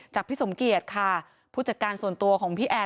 พี่สมเกียจค่ะผู้จัดการส่วนตัวของพี่แอน